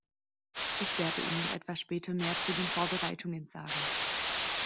Ich werde Ihnen etwas später mehr zu den Vorbereitungen sagen.